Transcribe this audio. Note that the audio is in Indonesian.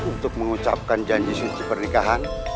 untuk mengucapkan janji suci pernikahan